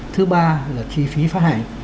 thứ ba là chi phí phát hành